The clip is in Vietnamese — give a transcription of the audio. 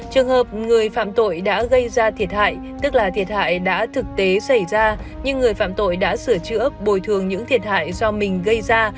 trường hợp người phạm tội đã gây ra thiệt hại tức là thiệt hại đã thực tế xảy ra nhưng người phạm tội đã sửa chữa bồi thường những thiệt hại do mình gây ra